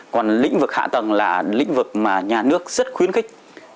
còn lĩnh vực hạ tầng là lĩnh vực mà nhà nước rất khuyến khích